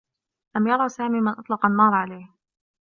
لم يرى سامي من أطلق النّار عليه.